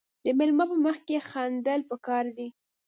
د میلمه په مخ کې خندل پکار دي.